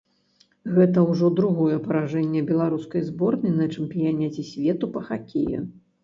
Гэта ўжо другое паражэнне беларускай зборнай на чэмпіянаце свету па хакеі.